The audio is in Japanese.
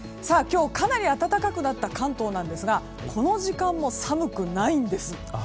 今日かなり暖かくなった関東ですがこの時間も寒くないんです。